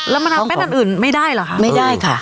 แล้วมะนาวเต้นอันอื่นไม่ได้เหรอคะไม่ได้ค่ะ